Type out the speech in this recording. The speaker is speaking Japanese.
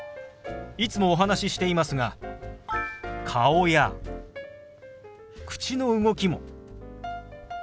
いつもお話ししていますが顔や口の動きも手話の一部ですよ。